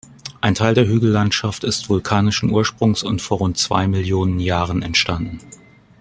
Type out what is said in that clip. Ein Teil der Hügellandschaft ist vulkanischen Ursprungs und vor rund zwei Millionen Jahren entstanden.